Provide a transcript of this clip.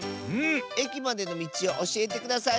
えきまでのみちをおしえてください。